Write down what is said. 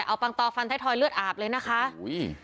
เอาปังตอฟันไทยทอยเลือดอาบเลยนะคะอุ้ย